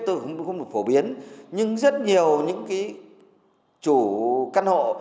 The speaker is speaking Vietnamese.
tôi không được phổ biến nhưng rất nhiều những cái chủ căn hộ